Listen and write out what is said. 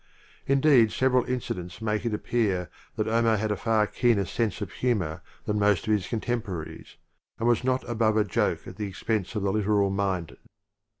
Indeed, several incidents make it appear that Omar had a far keener sense of humor than most of his contemporaries, and was not above a joke at the expense of the literal minded.